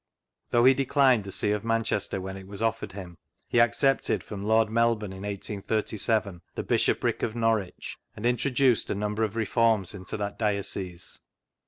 Though he declined the See of Manchester, when it was offered him, he accepted from Lord Mel bourne, in 1837, the Bishopric of Norwich, and introduced a number of r^orms into that diocese.